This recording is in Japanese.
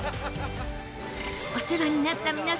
お世話になった皆さん